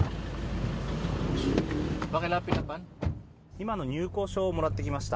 今、入構証をもらってきました。